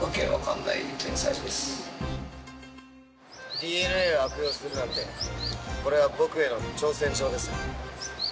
ＤＮＡを悪用するなんてこれは僕への挑戦状です。